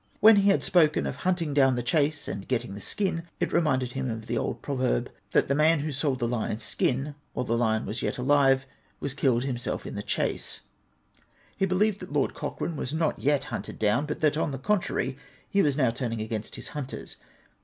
When he had spoken of " hunting down the chase, and getting the skin," it reminded him of the old proverb, " that the man who sold the lion's skin, while the lion was yet alive, was himself killed in the chase." He be lieved that Lord Cochrane was not yet hunted down ; but that, on the contrary, he was now turning against his hunters.